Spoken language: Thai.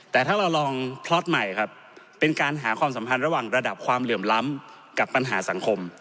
แต่ถ้าเราลองพล็อตใหม่ครับเป็นการหาความสัมพันธ์ระหว่างระดับความเหลื่อมล้ำกับปัญหาสังคม